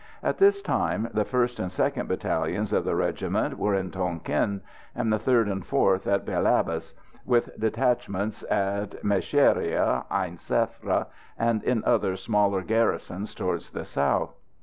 At this time the 1st and 2nd Battalions of the regiment were in Tonquin, and the 3rd and 4th at Bel Abbes, with detachments at Mecheria, Ain Sefra, and in other smaller garrisons towards the south.